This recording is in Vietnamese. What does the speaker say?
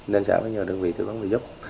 nên xã phải nhờ đơn vị thư vấn vẽ giúp